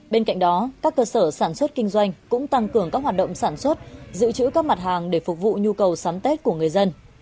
bên cạnh đó các cơ sở sản xuất kinh doanh cũng tăng cường các hoạt động sản xuất giữ chữ các mặt hàng để phục vụ nhu cầu sắm tết của người dân